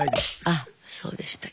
あそうでしたか。